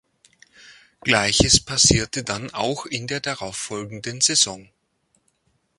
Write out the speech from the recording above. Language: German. Gleiches passierte dann auch in der darauffolgenden Saison.